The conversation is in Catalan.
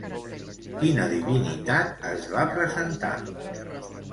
Quina divinitat es va presentar?